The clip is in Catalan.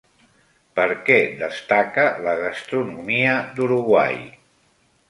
Per què destaca la gastronomia d'Uruguai?